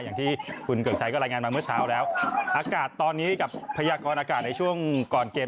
อย่างที่คุณเกิกชัยก็รายงานมาเมื่อเช้าแล้วอากาศตอนนี้กับพยากรอากาศในช่วงก่อนเกม